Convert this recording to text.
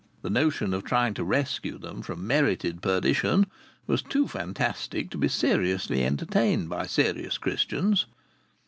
The notion of trying to rescue them from merited perdition was too fantastic to be seriously entertained by serious Christians.